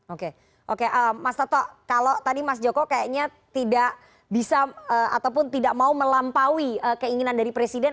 oke oke mas toto kalau tadi mas joko kayaknya tidak bisa ataupun tidak mau melampaui keinginan dari presiden